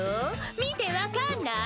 見て分かんない？